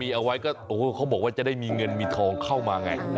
เอาไว้ก็โอ้โหเขาบอกว่าจะได้มีเงินมีทองเข้ามาไง